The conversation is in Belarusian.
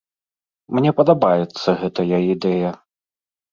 Мне падабаецца гэтая ідэя.